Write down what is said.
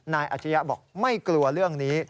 นายอัชริยะบอกไม่กลัวเรื่องนี้